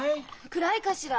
暗いかしら？